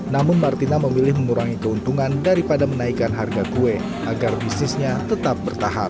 namun martina memilih mengurangi keuntungan daripada menaikkan harga kue agar bisnisnya tetap bertahan